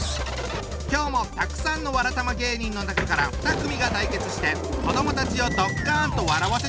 今日もたくさんのわらたま芸人の中から２組が対決して子どもたちをドッカンと笑わせちゃうぞ！